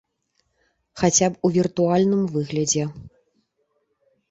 Хаця б у віртуальным выглядзе.